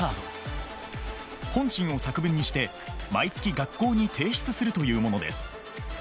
本心を作文にして毎月学校に提出するというものです。